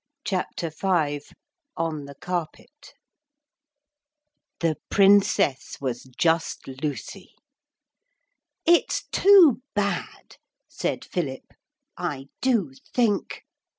CHAPTER V ON THE CARPET The Princess was just Lucy. 'It's too bad,' said Philip. 'I do think.'